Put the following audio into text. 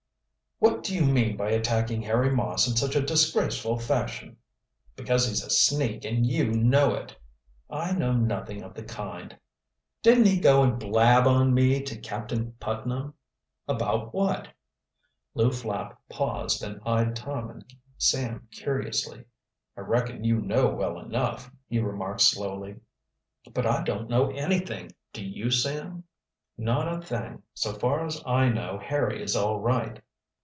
"What do you mean by attacking Harry Moss in such a disgraceful fashion?" "Because he's a sneak, and you know it." "I know nothing of the kind." "Didn't he go and blab on me to Captain Putnam?" "About what?" Lew Flapp paused and eyed Tom and Sam curiously. "I reckon you know well enough," he remarked slowly. "But I don't know anything. Do you, Sam?" "Not a thing. So far as I know Harry is all right."